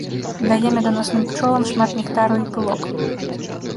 Дае меданосным пчолам шмат нектару і пылок.